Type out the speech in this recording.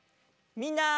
みんな！